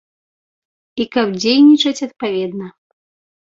І каб дзейнічаць адпаведна.